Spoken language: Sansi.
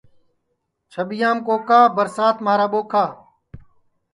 چھٻِیام کوکا برسات مھارا ٻوکھا